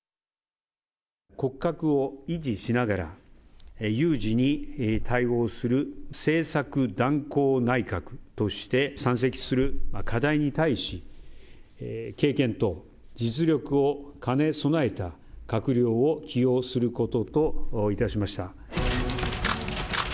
骨格を維持しながら、有事に対応する、政策断行内閣として山積する課題に対し、経験と実力を兼ね備えた閣僚を起用することといたしました。